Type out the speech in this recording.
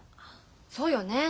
そうよね。